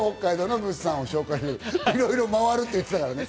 いろいろ回ると言っていたからね。